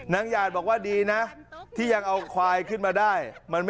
หยาดบอกว่าดีนะที่ยังเอาควายขึ้นมาได้